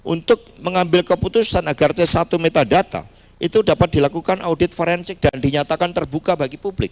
untuk mengambil keputusan agar c satu metadata itu dapat dilakukan audit forensik dan dinyatakan terbuka bagi publik